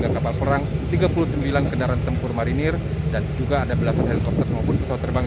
tiga kapal perang tiga puluh sembilan kendaraan tempur marinir dan juga ada belasan helikopter maupun pesawat terbang